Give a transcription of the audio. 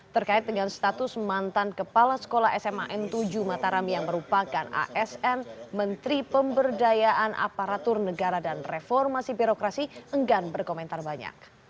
terkait dengan status mantan kepala sekolah sma n tujuh mataram yang merupakan asn menteri pemberdayaan aparatur negara dan reformasi birokrasi enggan berkomentar banyak